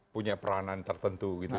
punya peranan tertentu gitu